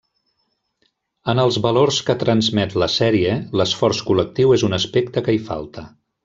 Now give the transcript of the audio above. En els valors que transmet la sèrie, l'esforç col·lectiu és un aspecte que hi falta.